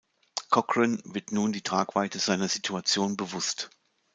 Cochran wird nun die Tragweite seiner Situation bewusst.